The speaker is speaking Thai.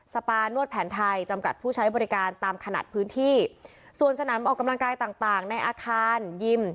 ปานวดแผนไทยจำกัดผู้ใช้บริการตามขนาดพื้นที่ส่วนสนามออกกำลังกายต่างต่างในอาคารยิม